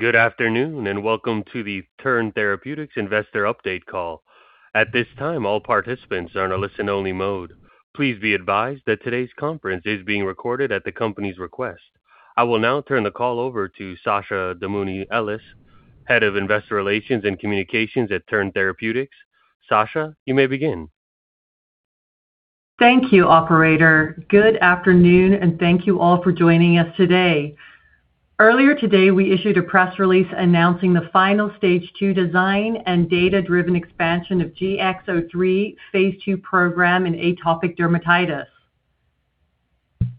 Good afternoon, welcome to the Turn Therapeutics Investor Update call. At this time, all participants are in a listen-only mode. Please be advised that today's conference is being recorded at the company's request. I will now turn the call over to Sasha Damouni-Ellis, Head of Investor Relations and Communications at Turn Therapeutics. Sasha, you may begin. Thank you, operator. Good afternoon, thank you all for joining us today. Earlier today, we issued a press release announcing the final stage two design and data-driven expansion of GX-03 phase II program in atopic dermatitis.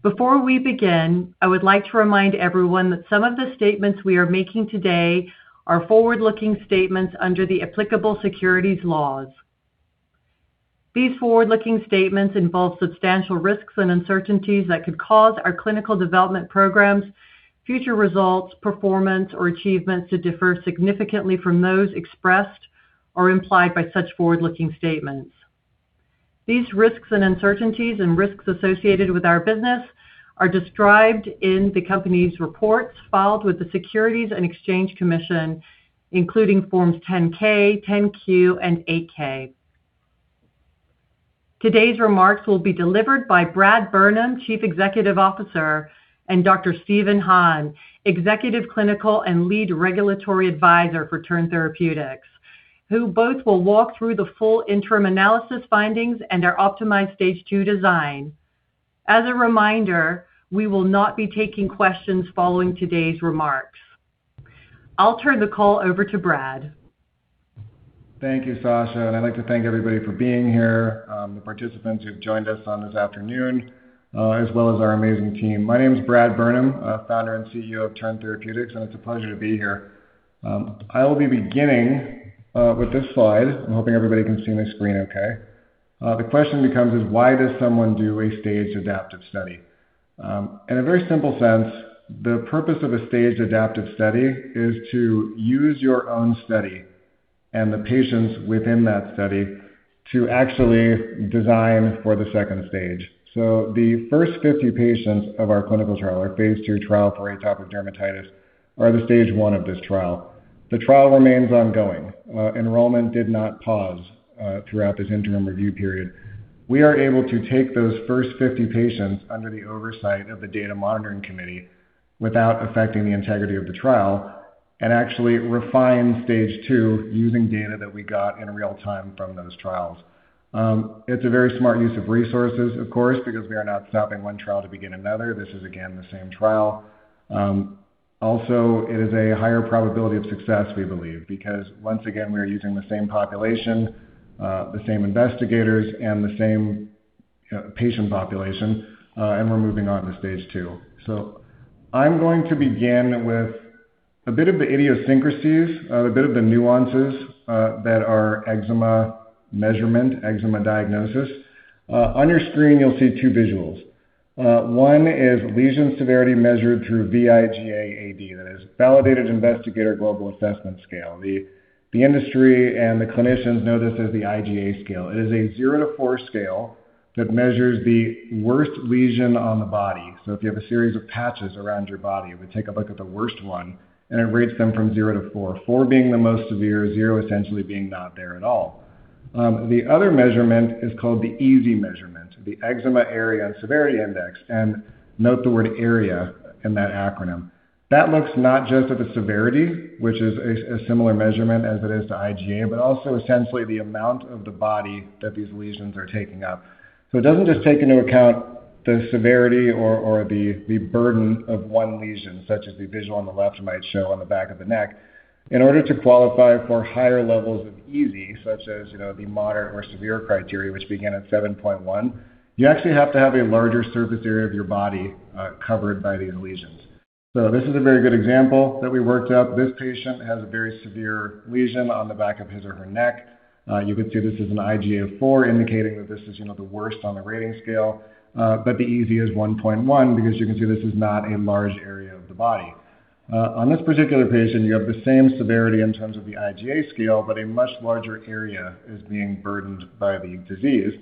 Before we begin, I would like to remind everyone that some of the statements we are making today are forward-looking statements under the applicable securities laws. These forward-looking statements involve substantial risks and uncertainties that could cause our clinical development programs, future results, performance, or achievements to differ significantly from those expressed or implied by such forward-looking statements. These risks and uncertainties and risks associated with our business are described in the company's reports filed with the Securities and Exchange Commission, including Forms 10-K, 10-Q, and 8-K. Today's remarks will be delivered by Brad Burnam, Chief Executive Officer, and Dr. Stephen Hahn, Executive Clinical and Lead Regulatory Advisor for Turn Therapeutics, who both will walk through the full interim analysis findings and our optimized stage two design. As a reminder, we will not be taking questions following today's remarks. I'll turn the call over to Brad. Thank you, Sasha, I'd like to thank everybody for being here, the participants who've joined us on this afternoon, as well as our amazing team. My name is Brad Burnam, Founder and CEO of Turn Therapeutics, and it's a pleasure to be here. I will be beginning with this slide. I'm hoping everybody can see my screen okay. The question becomes is why does someone do a staged adaptive study? In a very simple sense, the purpose of a staged adaptive study is to use your own study and the patients within that study to actually design for the second stage. The first 50 patients of our clinical trial, our phase II trial for atopic dermatitis, are the stage one of this trial. The trial remains ongoing. Enrollment did not pause throughout this interim review period. We are able to take those first 50 patients under the oversight of the Data Monitoring Committee without affecting the integrity of the trial and actually refine stage two using data that we got in real-time from those trials. It's a very smart use of resources, of course, because we are not stopping one trial to begin another. This is, again, the same trial. It is a higher probability of success, we believe, because once again, we are using the same population, the same investigators, and the same patient population, and we're moving on to stage two. So I'm going to begin with a bit of the idiosyncrasies, a bit of the nuances that are eczema measurement, eczema diagnosis. On your screen, you'll see two visuals. One is lesion severity measured through vIGA-AD. That is Validated Investigator Global Assessment scale. The industry and the clinicians know this as the IGA scale. It is a zero to four scale that measures the worst lesion on the body. If you have a series of patches around your body, we take a look at the worst one, and it rates them from zero to four. Four being the most severe, zero essentially being not there at all. The other measurement is called the EASI measurement, the Eczema Area and Severity Index, and note the word area in that acronym. That looks not just at the severity, which is a similar measurement as it is to IGA, but also essentially the amount of the body that these lesions are taking up. It doesn't just take into account the severity or the burden of one lesion, such as the visual on the left might show on the back of the neck. In order to qualify for higher levels of EASI, such as the moderate or severe criteria, which begin at 7.1, you actually have to have a larger surface area of your body covered by these lesions. This is a very good example that we worked up. This patient has a very severe lesion on the back of his or her neck. You can see this is an IGA of four, indicating that this is the worst on the rating scale. But the EASI is 1.1 because you can see this is not a large area of the body. On this particular patient, you have the same severity in terms of the IGA scale, but a much larger area is being burdened by the disease,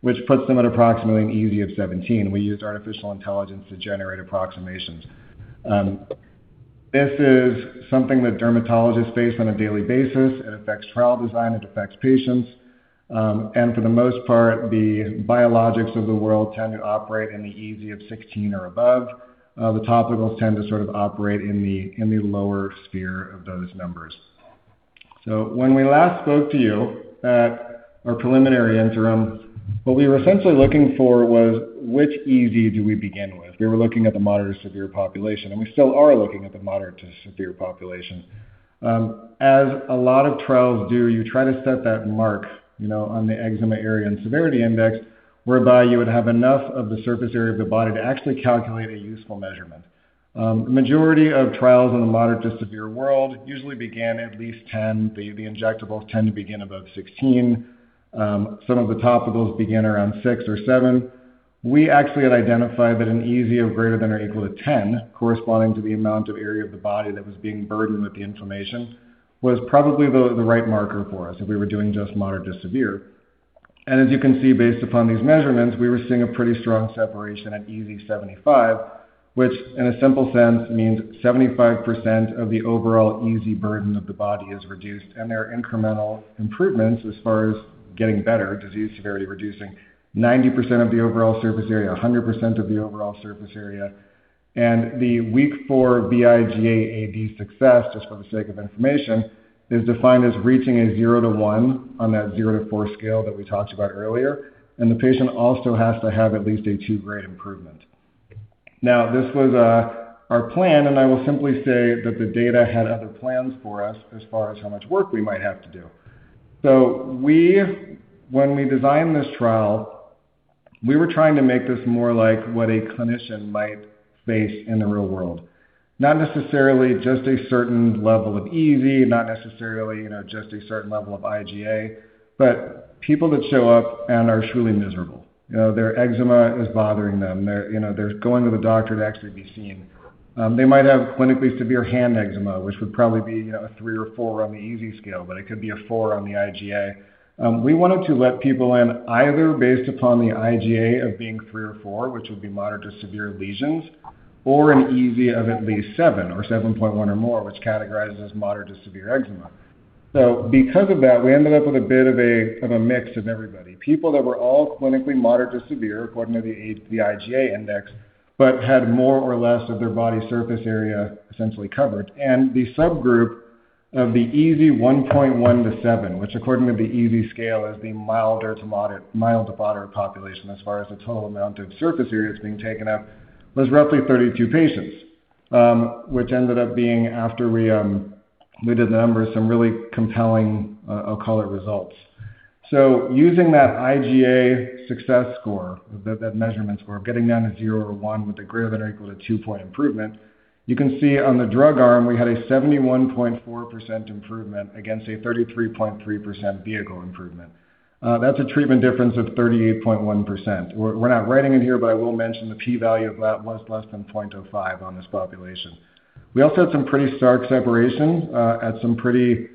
which puts them at approximately an EASI of 17. We used artificial intelligence to generate approximations. This is something that dermatologists face on a daily basis. It affects trial design, it affects patients. For the most part, the biologics of the world tend to operate in the EASI of 16 or above. The topicals tend to sort of operate in the lower sphere of those numbers. When we last spoke to you at our preliminary interim, what we were essentially looking for was which EASI do we begin with. We were looking at the moderate-to-severe population, and we still are looking at the moderate-to-severe population. A lot of trials do, you try to set that mark on the Eczema Area and Severity Index, whereby you would have enough of the surface area of the body to actually calculate a useful measurement. Majority of trials in the moderate-to-severe world usually begin at least 10. The injectables tend to begin above 16. Some of the topicals begin around six or seven. We actually had identified that an EASI of greater than or equal to 10, corresponding to the amount of area of the body that was being burdened with the inflammation, was probably the right marker for us if we were doing just moderate to severe. As you can see, based upon these measurements, we were seeing a pretty strong separation at EASI-75, which in a simple sense means 75% of the overall EASI burden of the body is reduced, and there are incremental improvements as far as getting better, disease severity reducing 90% of the overall surface area, 100% of the overall surface area. The week four IGA AD success, just for the sake of information, is defined as reaching a zero to one on that zero to four scale that we talked about earlier. The patient also has to have at least a two-grade improvement. Now, this was our plan, and I will simply say that the data had other plans for us as far as how much work we might have to do. When we designed this trial, we were trying to make this more like what a clinician might face in the real world. Not necessarily just a certain level of EASI, not necessarily just a certain level of IGA, but people that show up and are truly miserable. Their eczema is bothering them. They're going to the doctor to actually be seen. They might have clinically severe hand eczema, which would probably be a three or a four on the EASI scale, but it could be a four on the IGA. We wanted to let people in either based upon the IGA of being three or four, which would be moderate to severe lesions, or an EASI of at least seven or 7.1 or more, which categorizes as moderate to severe eczema. Because of that, we ended up with a bit of a mix of everybody. People that were all clinically moderate to severe according to the IGA index, but had more or less of their body surface area essentially covered. The subgroup of the EASI 1.1 to seven, which according to the EASI scale is the mild to moderate population as far as the total amount of surface area that's being taken up, was roughly 32 patients. Which ended up being, after we did the numbers, some really compelling, I'll call it, results. Using that IGA success score, that measurement score of getting down to zero or one with a greater than or equal to 2-point improvement, you can see on the drug arm, we had a 71.4% improvement against a 33.3% vehicle improvement. That's a treatment difference of 38.1%. We're not writing it here, but I will mention the P value of that was less than 0.05 on this population. We also had some pretty stark separations at some pretty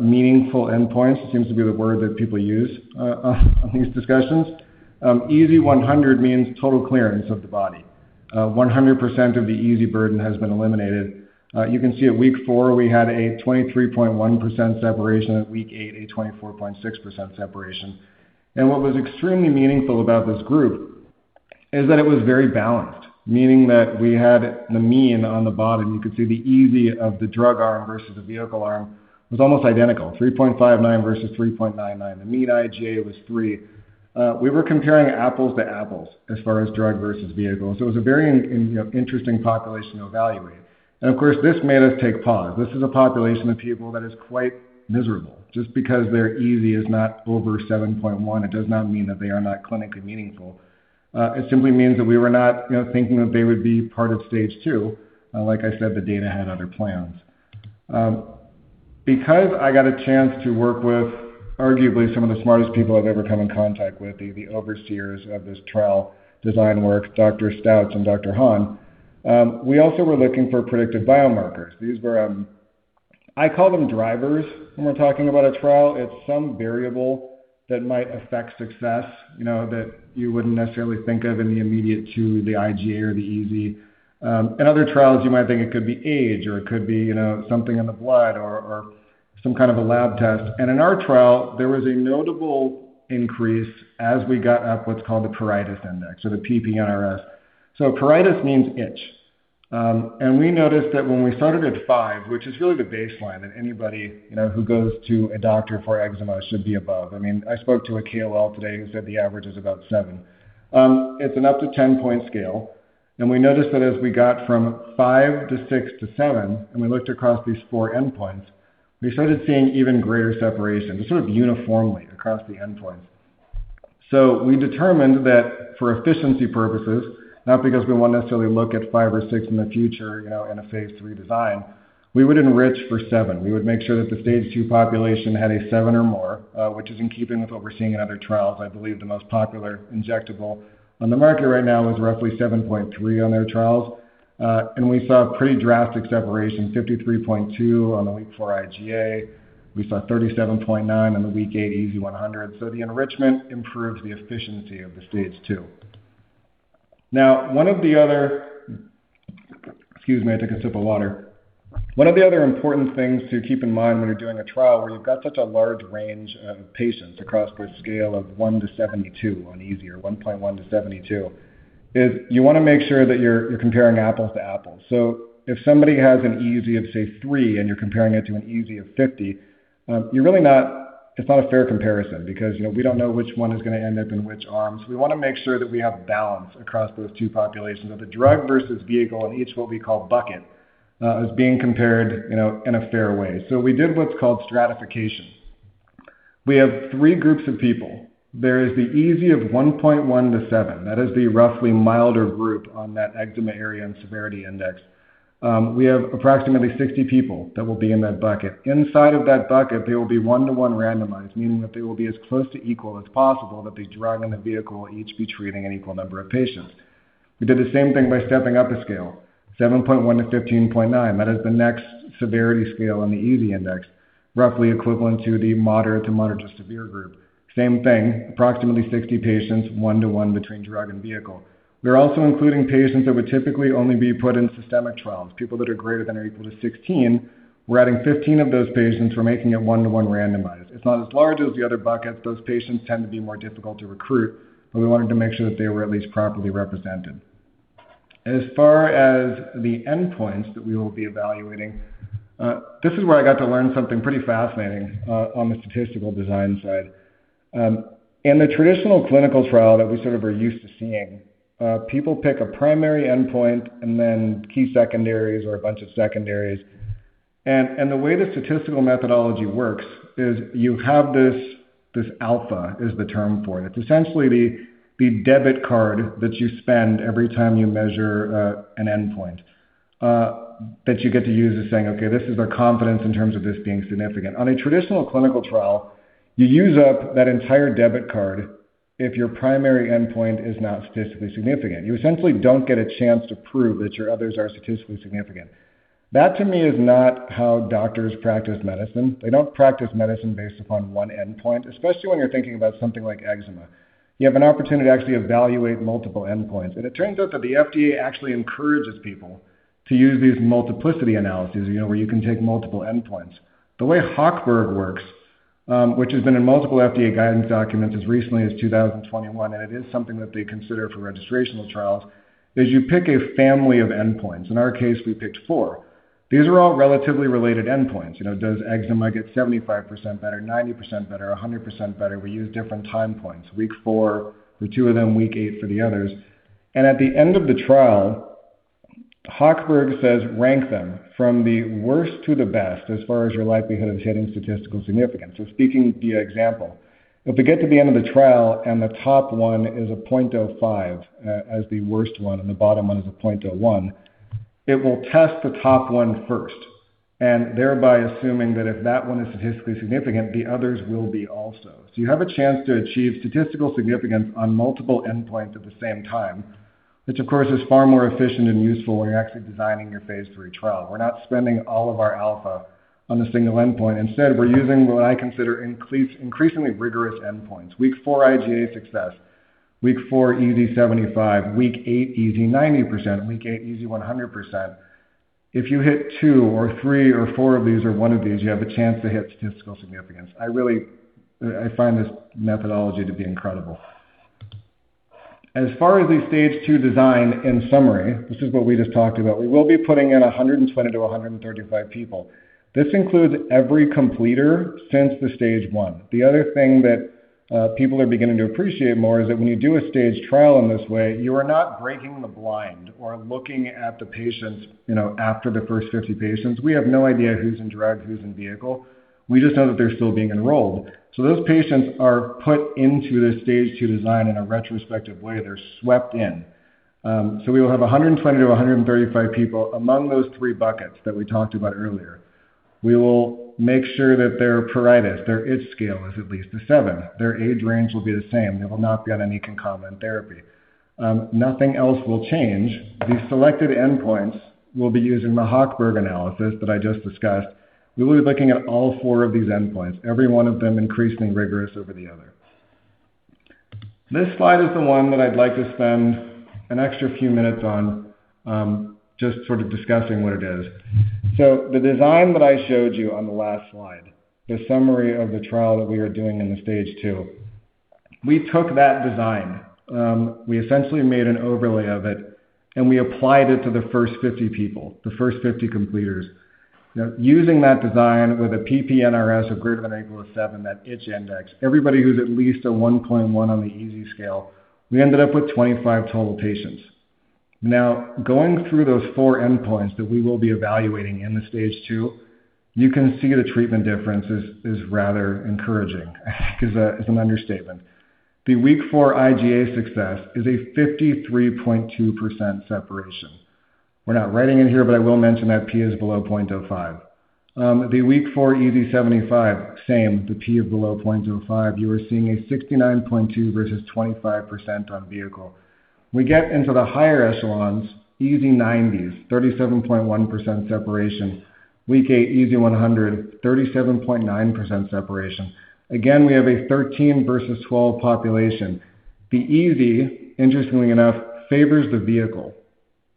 meaningful endpoints. It seems to be the word that people use on these discussions. EASI-100 means total clearance of the body. 100% of the EASI burden has been eliminated. You can see at week four, we had a 23.1% separation. At week eight, a 24.6% separation. What was extremely meaningful about this group is that it was very balanced, meaning that we had the mean on the bottom. You could see the EASI of the drug arm versus the vehicle arm was almost identical, 3.59 versus 3.99. The mean IGA was three. We were comparing apples to apples as far as drug versus vehicle. It was a very interesting population to evaluate. Of course, this made us take pause. This is a population of people that is quite miserable. Just because their EASI is not over 7.1, it does not mean that they are not clinically meaningful. It simply means that we were not thinking that they would be part of stage two. Like I said, the data had other plans. I got a chance to work with arguably some of the smartest people I've ever come in contact with, the overseers of this trial design work, Dr. Stouch and Dr. Hahn, we also were looking for predictive biomarkers. I call them drivers when we're talking about a trial. It's some variable that might affect success, that you wouldn't necessarily think of in the immediate to the IGA or the EASI. In other trials, you might think it could be age or it could be something in the blood or some kind of a lab test. In our trial, there was a notable increase as we got up what's called the pruritus index, the PP-NRS. Pruritus means itch. We noticed that when we started at five, which is really the baseline that anybody who goes to a doctor for eczema should be above. I spoke to a KOL today who said the average is about seven. It's an up to 10-point scale. We noticed that as we got from five to six to seven, and we looked across these four endpoints, we started seeing even greater separation, just sort of uniformly across the endpoints. We determined that for efficiency purposes, not because we want to necessarily look at five or six in the future in a phase III design, we would enrich for seven. We would make sure that the stage two population had a seven or more, which is in keeping with what we're seeing in other trials. I believe the most popular injectable on the market right now was roughly 7.3 on their trials. We saw pretty drastic separation, 53.2 on the week four IGA. We saw 37.9 on the week eight EASI-100. The enrichment improves the efficiency of the stage two. One of the other. Excuse me, I took a sip of water. One of the other important things to keep in mind when you're doing a trial where you've got such a large range of patients across the scale of one to 72 on EASI, or 1.1 to 72, is you want to make sure that you're comparing apples to apples. If somebody has an EASI of, say, three and you're comparing it to an EASI of 50, it's not a fair comparison because we don't know which one is going to end up in which arm. We want to make sure that we have balance across those two populations of the drug versus vehicle in each what we call bucket, is being compared in a fair way. We did what's called stratification. We have three groups of people. There is the EASI of 1.1 to seven. That is the roughly milder group on that Eczema Area and Severity Index. We have approximately 60 people that will be in that bucket. Inside of that bucket, they will be one-to-one randomized, meaning that they will be as close to equal as possible, that the drug and the vehicle each be treating an equal number of patients. We did the same thing by stepping up a scale, 7.1-15.9. That is the next severity scale on the EASI index, roughly equivalent to the moderate to moderate to severe group. Same thing, approximately 60 patients, one-to-one between drug and vehicle. We're also including patients that would typically only be put in systemic trials. People that are greater than or equal to 16, we're adding 15 of those patients. We're making it one-to-one randomized. It's not as large as the other buckets. Those patients tend to be more difficult to recruit, we wanted to make sure that they were at least properly represented. As far as the endpoints that we will be evaluating, this is where I got to learn something pretty fascinating on the statistical design side. In the traditional clinical trial that we sort of are used to seeing, people pick a primary endpoint and then key secondaries or a bunch of secondaries. The way the statistical methodology works is you have this alpha, is the term for it. It's essentially the debit card that you spend every time you measure an endpoint that you get to use as saying, "Okay, this is our confidence in terms of this being significant." On a traditional clinical trial, you use up that entire debit card if your primary endpoint is not statistically significant. You essentially don't get a chance to prove that your others are statistically significant. That, to me, is not how doctors practice medicine. They don't practice medicine based upon one endpoint, especially when you're thinking about something like eczema. You have an opportunity to actually evaluate multiple endpoints. It turns out that the FDA actually encourages people to use these multiplicity analyses, where you can take multiple endpoints. The way Hochberg works, which has been in multiple FDA guidance documents as recently as 2021, it is something that they consider for registrational trials, is you pick a family of endpoints. In our case, we picked four. These are all relatively related endpoints. Does eczema get 75% better, 90% better, 100% better? We use different time points. Week four for two of them, week eight for the others. At the end of the trial, Hochberg says rank them from the worst to the best as far as your likelihood of hitting statistical significance. Speaking via example, if we get to the end of the trial and the top one is a 0.05 as the worst one, the bottom one is a 0.01, it will test the top one first, thereby assuming that if that one is statistically significant, the others will be also. You have a chance to achieve statistical significance on multiple endpoints at the same time, which of course is far more efficient and useful when you're actually designing your phase III trial. We're not spending all of our alpha on the single endpoint. Instead, we're using what I consider increasingly rigorous endpoints. Week four, IGA success, week four, EASI-75, week eight, EASI-90%, week eight, EASI-100%. If you hit two or three or four of these, or one of these, you have a chance to hit statistical significance. I find this methodology to be incredible. As far as the phase II design, in summary, this is what we just talked about. We will be putting in 120 to 135 people. This includes every completer since the phase I. The other thing that people are beginning to appreciate more is that when you do a stage trial in this way, you are not breaking the blind or looking at the patients after the first 50 patients. We have no idea who's in drug, who's in vehicle. We just know that they're still being enrolled. Those patients are put into this phase II design in a retrospective way. They're swept in. We will have 120 to 135 people among those three buckets that we talked about earlier. We will make sure that their pruritus, their itch scale, is at least a seven. Their age range will be the same. They will not be on any concomitant therapy. Nothing else will change. These selected endpoints will be using the Hochberg procedure that I just discussed. We will be looking at all four of these endpoints, every one of them increasingly rigorous over the other. This slide is the one that I'd like to spend an extra few minutes on, just sort of discussing what it is. The design that I showed you on the last slide, the summary of the trial that we are doing in the phase II, we took that design. We essentially made an overlay of it, and we applied it to the first 50 people, the first 50 completers. Now, using that design with a PP-NRS of greater than or equal to seven, that itch index, everybody who's at least a 1.1 on the EASI scale, we ended up with 25 total patients. Now, going through those four endpoints that we will be evaluating in the phase II, you can see the treatment difference is rather encouraging, is an understatement. The week four IGA success is a 53.2% separation. We're not writing in here, but I will mention that P is below 0.05. The week fourEASI-75, same, the P is below 0.05. You are seeing a 69.2% versus 25% on vehicle. We get into the higher echelons, EASI-90s, 37.1% separation. Week eight, EASI-100, 37.9% separation. Again, we have a 13 versus 12 population. The EASI, interestingly enough, favors the vehicle.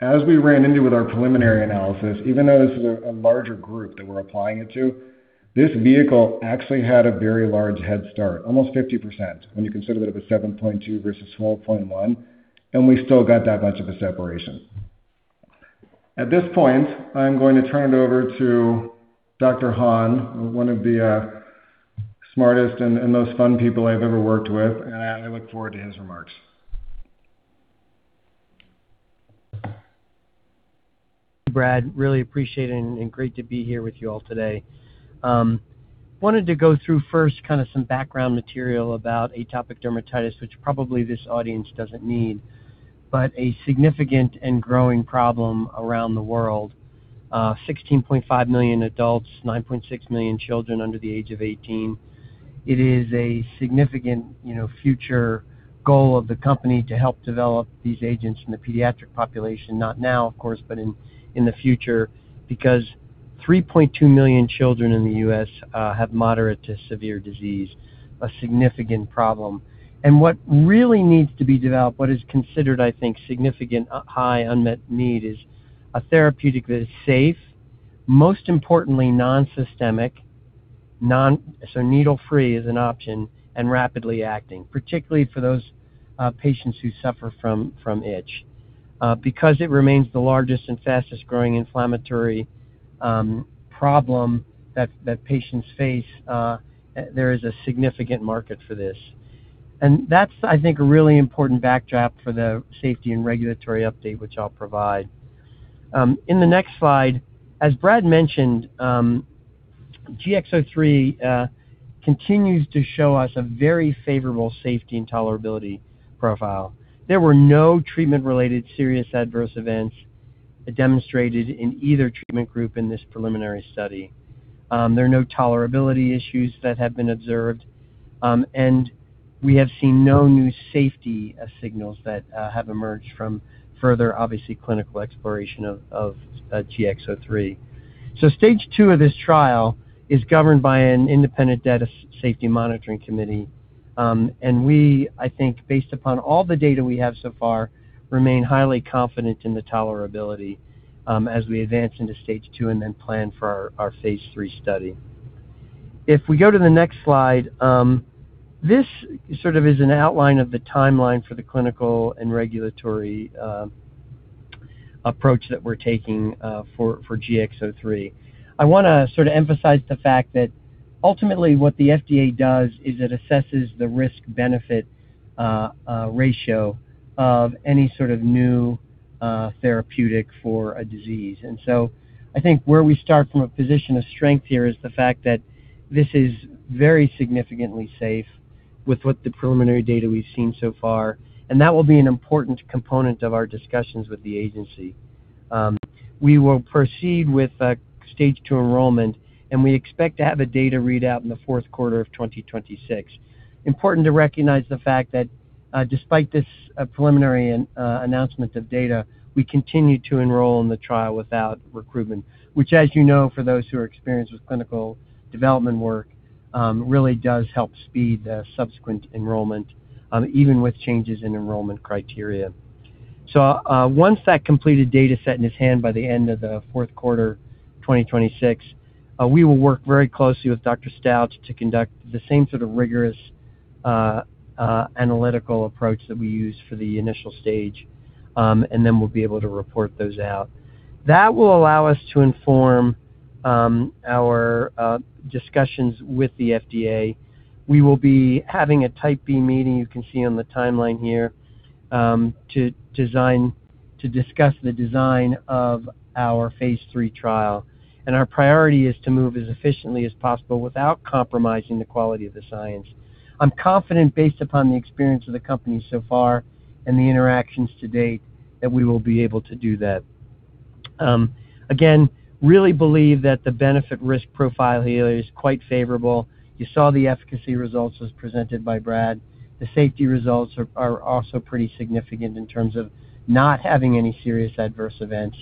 As we ran into with our preliminary analysis, even though this is a larger group that we're applying it to, this vehicle actually had a very large head start, almost 50%, when you consider that it was 7.2 versus 12.1, and we still got that much of a separation. At this point, I'm going to turn it over to Dr. Hahn, one of the smartest and most fun people I've ever worked with, and I look forward to his remarks. Brad, really appreciate it and great to be here with you all today. Wanted to go through first kind of some background material about atopic dermatitis, which probably this audience doesn't need, but a significant and growing problem around the world. 16.5 million adults, 9.6 million children under the age of 18. It is a significant future goal of the company to help develop these agents in the pediatric population, not now, of course, but in the future, because 3.2 million children in the U.S. have moderate to severe disease, a significant problem. What really needs to be developed, what is considered, I think, significant high unmet need, is a therapeutic that is safe, most importantly, non-systemic, so needle-free is an option, and rapidly acting, particularly for those patients who suffer from itch. Because it remains the largest and fastest growing inflammatory problem that patients face, there is a significant market for this. That's, I think, a really important backdrop for the safety and regulatory update, which I'll provide. In the next slide, as Brad mentioned, GX-03 continues to show us a very favorable safety and tolerability profile. There were no treatment-related serious adverse events demonstrated in either treatment group in this preliminary study. There are no tolerability issues that have been observed. We have seen no new safety signals that have emerged from further, obviously, clinical exploration of GX-03. Stage two of this trial is governed by an independent Data and Safety Monitoring Committee. We, I think, based upon all the data we have so far, remain highly confident in the tolerability as we advance into stage two and then plan for our phase III study. If we go to the next slide, this sort of is an outline of the timeline for the clinical and regulatory approach that we're taking for GX-03. I want to sort of emphasize the fact that ultimately what the FDA does is it assesses the risk-benefit ratio of any sort of new therapeutic for a disease. I think where we start from a position of strength here is the fact that this is very significantly safe with what the preliminary data we've seen so far, and that will be an important component of our discussions with the agency. We will proceed with stage two enrollment, and we expect to have a data readout in the fourth quarter of 2026. Important to recognize the fact that despite this preliminary announcement of data, we continue to enroll in the trial without recruitment, which as you know, for those who are experienced with clinical development work, really does help speed the subsequent enrollment, even with changes in enrollment criteria. Once that completed data set in his hand by the end of the fourth quarter 2026, we will work very closely with Dr. Stouch to conduct the same sort of rigorous analytical approach that we used for the initial stage, and then we'll be able to report those out. That will allow us to inform our discussions with the FDA. We will be having a Type B meeting, you can see on the timeline here, to discuss the design of our phase III trial. Our priority is to move as efficiently as possible without compromising the quality of the science. I'm confident based upon the experience of the company so far and the interactions to date that we will be able to do that. Really believe that the benefit risk profile here is quite favorable. You saw the efficacy results as presented by Brad. The safety results are also pretty significant in terms of not having any serious adverse events.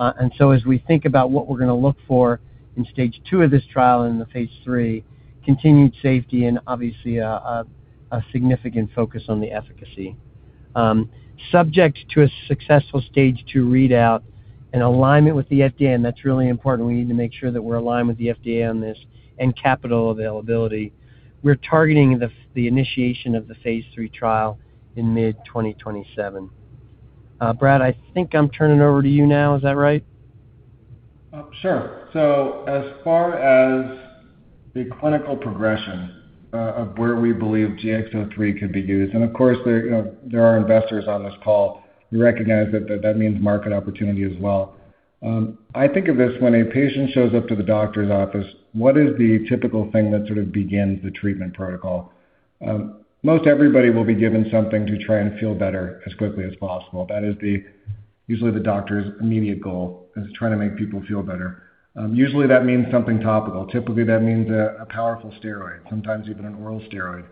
As we think about what we're going to look for in phase II of this trial and the phase III, continued safety, and obviously a significant focus on the efficacy. Subject to a successful phase II readout and alignment with the FDA, and that's really important, we need to make sure that we're aligned with the FDA on this, and capital availability, we're targeting the initiation of the phase III trial in mid-2027. Brad, I think I'm turning it over to you now. Is that right? Sure. As far as the clinical progression of where we believe GX-03 could be used, and of course, there are investors on this call, we recognize that means market opportunity as well. I think of this when a patient shows up to the doctor's office, what is the typical thing that sort of begins the treatment protocol? Most everybody will be given something to try and feel better as quickly as possible. That is usually the doctor's immediate goal is trying to make people feel better. Usually, that means something topical. Typically, that means a powerful steroid, sometimes even an oral steroid.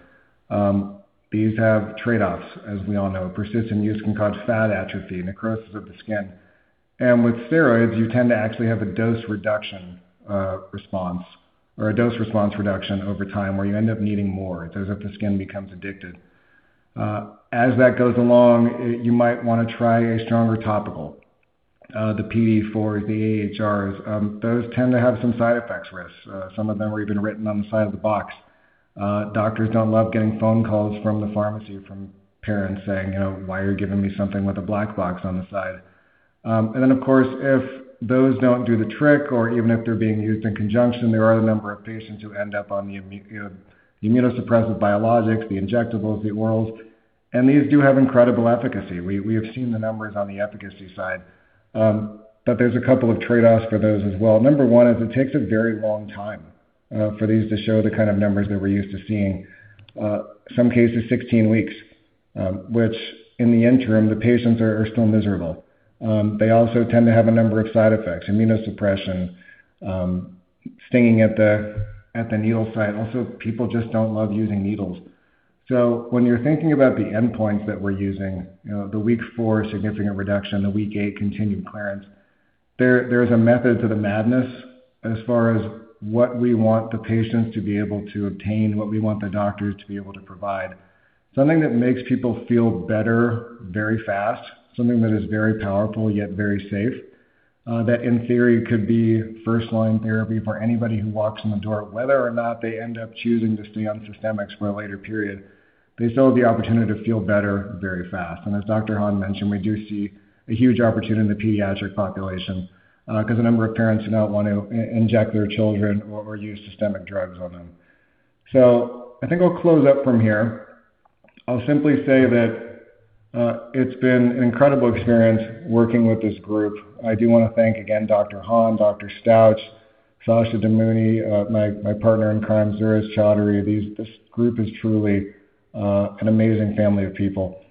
These have trade-offs, as we all know. Persistent use can cause fat atrophy, necrosis of the skin. With steroids, you tend to actually have a dose reduction response or a dose response reduction over time where you end up needing more. It's as if the skin becomes addicted. As that goes along, you might want to try a stronger topical. The PDE4, the AhR, those tend to have some side effects risks. Some of them are even written on the side of the box. Doctors don't love getting phone calls from the pharmacy from parents saying, "Why are you giving me something with a black box on the side?" Of course, if those don't do the trick or even if they're being used in conjunction, there are a number of patients who end up on the immunosuppressive biologics, the injectables, the orals, and these do have incredible efficacy. We have seen the numbers on the efficacy side, but there's a couple of trade-offs for those as well. Number one is it takes a very long time for these to show the kind of numbers that we're used to seeing. Some cases, 16 weeks Which in the interim, the patients are still miserable. They also tend to have a number of side effects. Immunosuppression, stinging at the needle site. Also, people just don't love using needles. When you're thinking about the endpoints that we're using, the week four significant reduction, the week eight continued clearance, there is a method to the madness as far as what we want the patients to be able to obtain, what we want the doctors to be able to provide. Something that makes people feel better very fast, something that is very powerful, yet very safe, that in theory could be first-line therapy for anybody who walks in the door, whether or not they end up choosing to stay on systemics for a later period, they still have the opportunity to feel better very fast. As Dr. Hahn mentioned, we do see a huge opportunity in the pediatric population, because a number of parents do not want to inject their children or use systemic drugs on them. I think I'll close up from here. I'll simply say that it's been an incredible experience working with this group. I do want to thank again, Dr. Hahn, Dr. Stouch, Sasha Damouni, my partner in crime, Zuraiz Chaudhary. This group is truly an amazing family of people.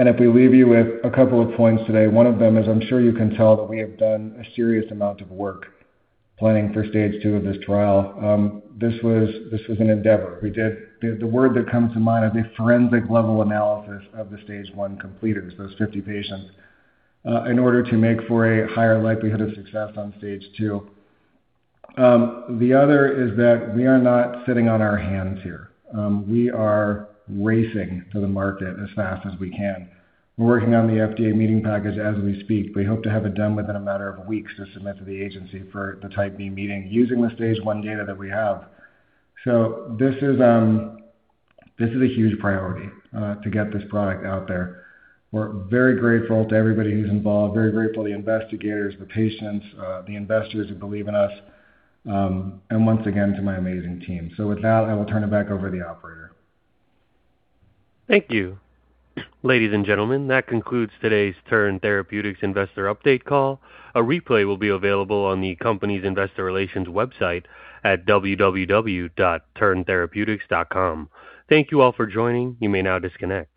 If we leave you with a couple of points today, one of them is, I'm sure you can tell that we have done a serious amount of work planning for stage two of this trial. This was an endeavor. The word that comes to mind, a forensic-level analysis of the stage one completers, those 50 patients, in order to make for a higher likelihood of success on stage two. The other is that we are not sitting on our hands here. We are racing to the market as fast as we can. We're working on the FDA meeting package as we speak. We hope to have it done within a matter of weeks to submit to the agency for the Type B meeting using the stage one data that we have. This is a huge priority to get this product out there. We're very grateful to everybody who's involved, very grateful to the investigators, the patients, the investors who believe in us, and once again, to my amazing team. With that, I will turn it back over to the operator. Thank you. Ladies and gentlemen, that concludes today's Turn Therapeutics investor update call. A replay will be available on the company's investor relations website at www.turntherapeutics.com. Thank you all for joining. You may now disconnect.